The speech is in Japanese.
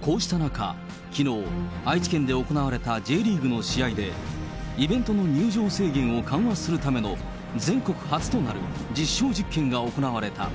こうした中、きのう、愛知県で行われたＪリーグの試合で、イベントの入場制限を緩和するための全国初となる実証実験が行われた。